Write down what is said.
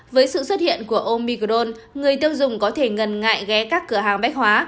với sự xuất hiện của omicron người tiêu dùng có thể ngần ngại ghé các cửa hàng bắc hồn